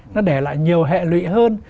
nó để lại nhiều hệ lụy hơn